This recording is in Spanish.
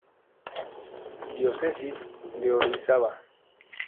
Diócesis de Orizaba